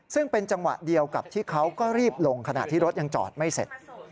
ซึ่งเป็นจังหวะเดียวกับที่เขาก็รีบลงขณะที่รถยังจอดไม่เสร็จ